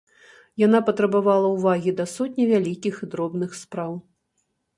Яна патрабавала ўвагі да сотні вялікіх і дробных спраў.